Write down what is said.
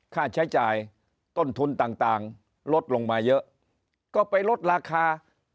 ค่าใช้จ่ายต้นทุนต่างลดลงมาเยอะก็ไปลดราคา